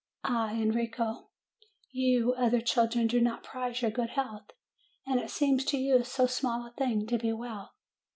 Ah, Enrico ! you other children do not prize your good health, and it seems to you so small a thing to be well!